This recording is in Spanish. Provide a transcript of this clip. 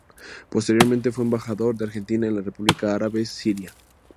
Posteriormente fue embajador de Argentina en la República Árabe Siria.